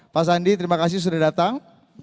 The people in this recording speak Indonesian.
pak sandi terima kasih sudah datang